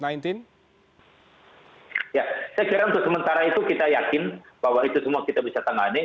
saya kira untuk sementara itu kita yakin bahwa itu semua kita bisa tangani